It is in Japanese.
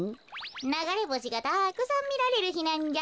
ながれぼしがたくさんみられるひなんじゃ。